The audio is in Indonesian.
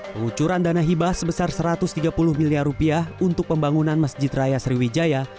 pengucuran dana hibah sebesar satu ratus tiga puluh miliar rupiah untuk pembangunan masjid raya sriwijaya